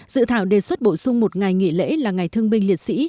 dự thảo đề xuất bổ sung một ngày nghỉ lễ là ngày thương binh liệt sĩ